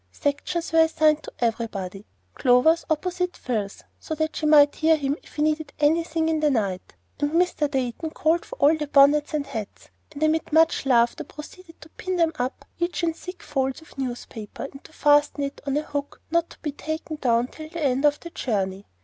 Sections were assigned to everybody, Clover's opposite Phil's so that she might hear him if he needed anything in the night; and Mr. Dayton called for all the bonnets and hats, and amid much laughter proceeded to pin up each in thick folds of newspaper, and fasten it on a hook not to be taken down till the end of the journey.